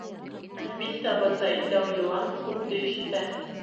Әлбиттә, бындай дәү йылан күпте ишетә.